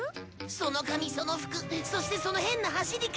その髪その服そしてその変な走り方